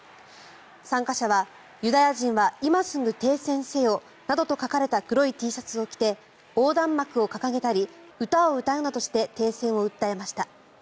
参加者は、ユダヤ人は今すぐ停戦せよなどと書かれた黒いＴシャツを着て横断幕を掲げたり歌を歌うなどして停戦を訴えました。